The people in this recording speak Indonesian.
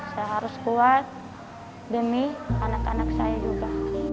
saya harus kuat demi anak anak saya juga